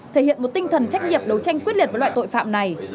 thể hiện một tinh thần trách nhiệm đấu tranh quyết liệt với loại tội phạm này